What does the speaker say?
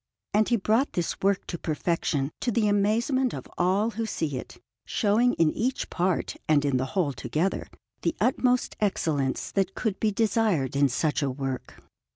And he brought this work to perfection to the amazement of all who see it, showing in each part and in the whole together the utmost excellence that could be desired in such a work.